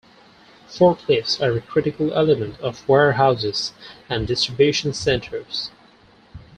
Forklifts are a critical element of warehouses and distribution centers.